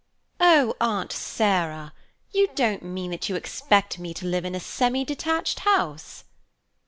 "Oh, Aunt Sarah! you don't mean that you expect me to live in a semi detached house?"